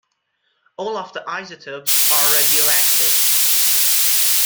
All of the isotopes are radioactive.